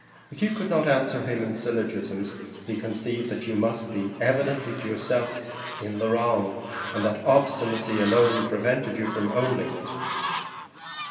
If you could not answer him in syllogisms, he conceived that you must be, evidently to yourself, in the wrong, and that obstinacy alone prevented you from owning it.